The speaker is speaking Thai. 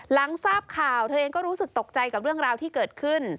หลังทราบข่าวเธอเองก็รู้สึกตกใจกับเรื่องราวที่เกิดขึ้น